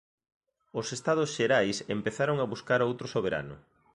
Os Estados Xerais empezaron a buscar outro soberano.